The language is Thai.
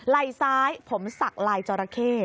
ไหล่ซ้ายผมศักดิ์ลายจอราเค